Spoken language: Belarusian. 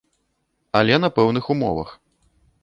Але на пэўных умовах.